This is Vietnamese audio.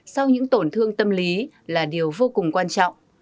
sau những tổn thương tâm lý là điều vô cùng quan trọng